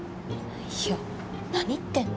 いや何言ってんの？